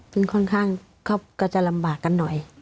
ซึ่งค่อนข้างก็จะลำบากกันหน่อย